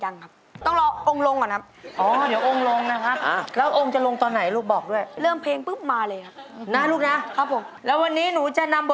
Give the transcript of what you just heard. น้องแววร็อคสามซ่า